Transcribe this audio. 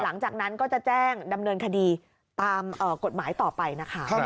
หลังจากนั้นก็จะแจ้งดำเนินคดีตามกฎหมายต่อไปนะคะ